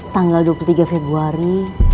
tanggal dua puluh tiga februari